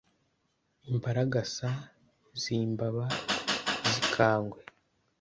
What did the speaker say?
Imbaragasa zimbaba zikangwe